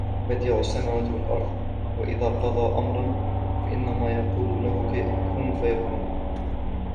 بديع السماوات والأرض وإذا قضى أمرا فإنما يقول له كن فيكون